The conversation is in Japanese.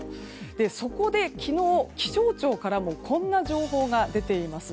そこで昨日、気象庁からもこんな情報が出ています。